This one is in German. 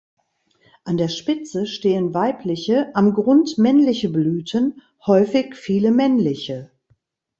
An der Spitze stehen weibliche, am Grund männliche Blüten, häufig viele männliche.